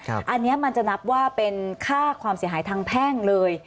อันนี้มันจะนับว่าเป็นค่าความเสียหายทางแพ่งเลย